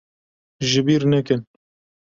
Ji bîr nekin.